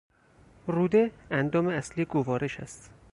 روده اندام اصلی گوارش است.